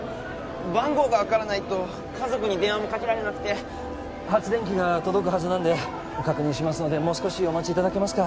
番号が分からないと家族に電話もかけられなくて発電機が届くはずなんで確認しますのでもう少しお待ちいただけますか？